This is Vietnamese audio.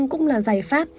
cũng là giải pháp